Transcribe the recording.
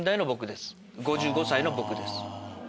５５歳の僕です。